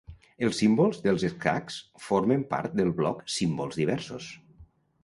Els símbols dels escacs formen part del bloc Símbols diversos.